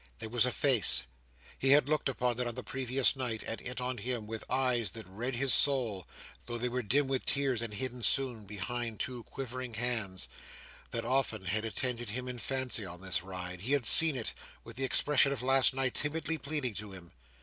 There was a face—he had looked upon it, on the previous night, and it on him with eyes that read his soul, though they were dim with tears, and hidden soon behind two quivering hands—that often had attended him in fancy, on this ride. He had seen it, with the expression of last night, timidly pleading to him.